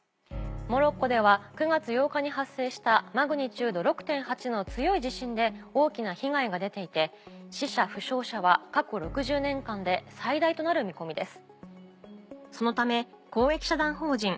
モロッコでは９月８日に発生したマグニチュード６．８の強い地震で大きな被害が出ていて死者負傷者は過去６０年間で最大となる見込みです。